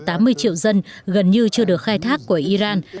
tám mươi triệu dân gần như chưa được khai thác của iran